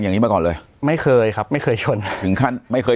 อย่างนี้มาก่อนเลยไม่เคยครับไม่เคยชนถึงขั้นไม่เคย